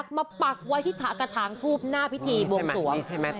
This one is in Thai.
กระทั้งกูบหน้าพิธีบวงสวม